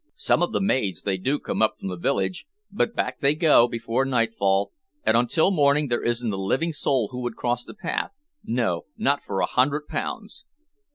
Some of the maids they do come up from the village, but back they go before nightfall, and until morning there isn't a living soul would cross the path no, not for a hundred pounds."